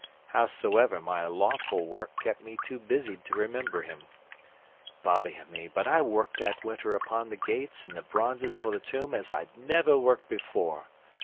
Howsoever, my lawful work kept me too busied to remember him. Body o' me, but I worked that winter upon the gates and the bronzes for the tomb as I'd never worked before!